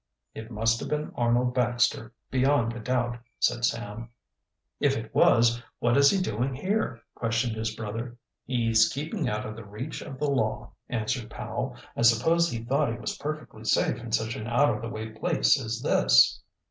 "It must have been Arnold Baxter, beyond a doubt," said Sam. "If it was, what is he doing here?" questioned his brother. "He's keeping out of the reach of the law," answered Powell. "I suppose he thought he was perfectly safe in such an out of the way place as this."